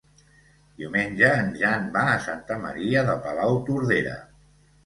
Diumenge en Jan va a Santa Maria de Palautordera.